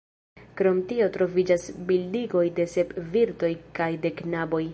Krom tio troviĝas bildigoj de sep virtoj kaj de knaboj.